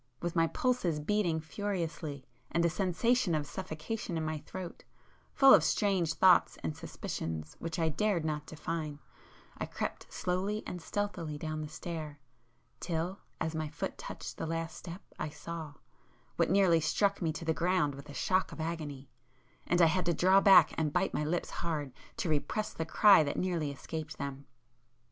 With my pulses beating furiously, and a sensation of suffocation in my throat,—full of strange thoughts and suspicions which I dared not define, I crept slowly and stealthily down the stair, till as my foot touched the last step I saw—what nearly struck me to the ground with a shock of agony—and I had to draw back and bite my lips hard to repress the cry that nearly escaped them.